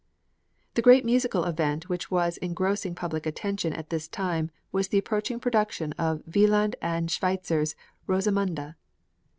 The great musical event which was engrossing public attention at this time was the approaching production of Wieland and Schweitzer's "Rosamunde."